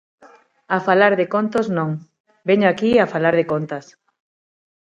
A falar de contos, non; veño aquí a falar de contas.